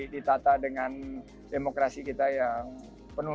ditata dengan demokrasi kita yang penuh